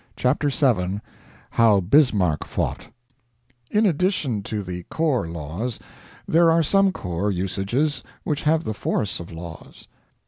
CHAPTER VII [How Bismark Fought] In addition to the corps laws, there are some corps usages which have the force of laws.